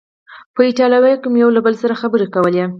په ایټالوي کې مو یو له بل سره خبرې کولې.